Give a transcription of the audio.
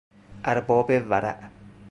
ارباب ورع